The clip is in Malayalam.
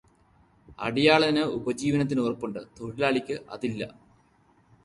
അടിയാളന് ഉപജീവനത്തിന് ഉറപ്പുണ്ട്, തൊഴിലാളിക്ക് അതില്ല.